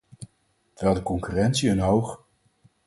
Terwijl de concurrentie een hoog...